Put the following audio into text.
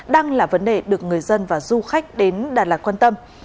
đang là vấn đề được người dân và du khách đến đà lạt quan tâm